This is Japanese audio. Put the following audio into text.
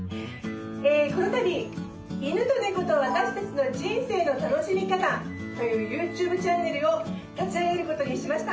このたび「犬と猫とわたし達の人生の楽しみ方」というＹｏｕＴｕｂｅチャンネルを立ち上げることにしました。